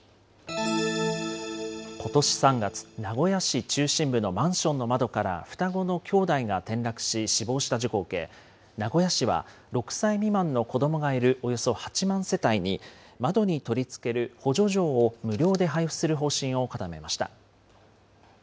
ことし３月、名古屋市中心部のマンションの窓から双子の兄弟が転落し死亡した事故を受け、名古屋市は、６歳未満の子どもがいるおよそ８万世帯に、窓に取り付ける補助錠を無料で配布する方針を固めました。